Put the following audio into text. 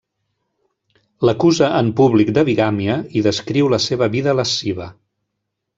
L'acusa en públic de bigàmia i descriu la seva vida lasciva.